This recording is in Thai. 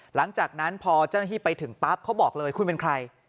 หลังจากนั้นพอเจ้าหน้าที่ไปถึงปั๊บเขาบอกเลยคุณเป็นใคร